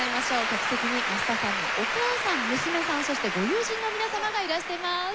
客席に益田さんのお母さん娘さんそしてご友人の皆様がいらしています。